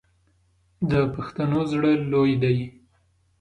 د پښتنو زړه لوی دی.